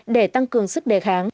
để tăng cường sức đề kháng